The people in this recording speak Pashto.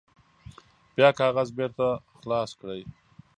بیا کاغذ بیرته خلاص کړئ.